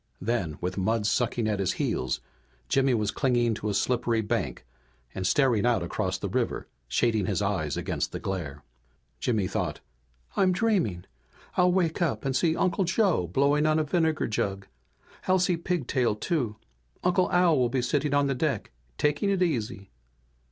Then, with mud sucking at his heels, Jimmy was clinging to a slippery bank and staring out across the river, shading his eyes against the glare. Jimmy thought, "I'm dreaming! I'll wake up and see Uncle Joe blowing on a vinegar jug. I'll see Pigtail, too. Uncle Al will be sitting on the deck, taking it easy!"